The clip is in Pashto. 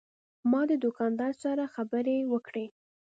ما د دوکاندار سره خبرې وکړې.